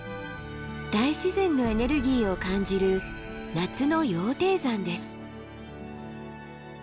大自然のエネルギーを感じる夏の羊蹄山です。